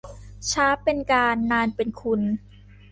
ช้าเป็นการ นานเป็นคุณ